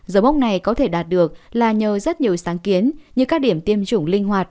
dấu mốc này có thể đạt được là nhờ rất nhiều sáng kiến như các điểm tiêm chủng linh hoạt